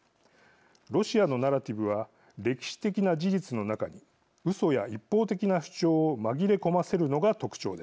ロシアのナラティブは歴史的な事実の中にうそや一方的な主張を紛れ込ませるのが特徴です。